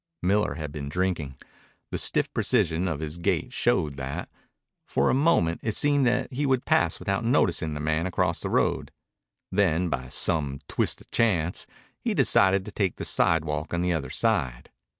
Miller had been drinking. The stiff precision of his gait showed that. For a moment it seemed that he would pass without noticing the man across the road. Then, by some twist of chance, he decided to take the sidewalk on the other side.